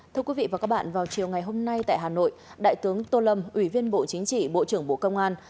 thưa quý vị và các bạn vào chiều ngày hôm nay tại hà nội đại tướng tô lâm ủy viên bộ chính trị bộ trưởng bộ công an